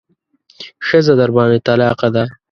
ښځه درباندې طلاقه ده.